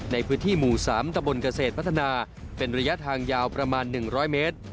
ในพื้นที่หมู่๓ตะบนเกษตรพัฒนาเป็นระยะทางยาวประมาณ๑๐๐เมตร